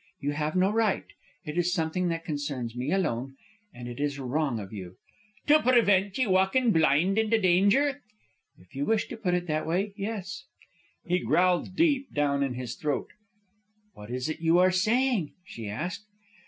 You have no right. It is something that concerns me alone. And it is wrong of you " "To prevint ye walkin' blind into danger?" "If you wish to put it that way, yes." He growled deep down in his throat. "What is it you are saying?" she asked.